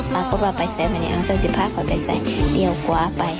ปะก็ปะไปใสมาเนี้ยอ้าวจริงชิดพลาดของเค้าไปใส่เดี๊ยวกว่าไป